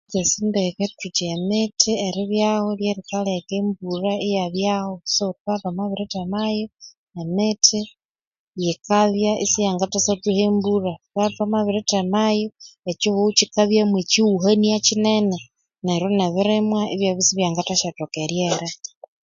Thukyasi ndeke thuthi emithi eribyaho lyerikaleka embulha iyabyaho. So thukabya thwamabirithemayo emithi yikabya isiyangathasyathuha embulha. Thukabya ithwamabirithemayo ekyihugho kyikabya mwekyihuhania kyinene neryo ne ebirimwa ibyabya isibyangathasya thoka eryera.